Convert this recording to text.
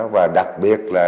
và đặc biệt là